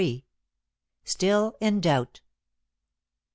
STILL IN DOUBT.